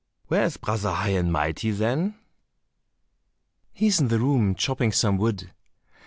"Where is Brother High and Mighty, then?" "He is in the room chopping some wood."